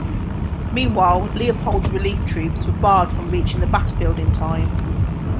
Meanwhile, Leopold's relief troops were barred from reaching the battlefield in time.